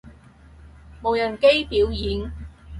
無人機表演